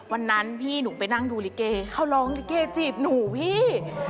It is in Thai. วันนั้นพี่หนูไปนั่งดูลิเกเขาร้องลิเกจีบหนูพี่